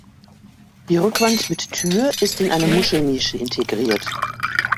Die Rückwand mit Tür ist in eine Muschelnische integriert.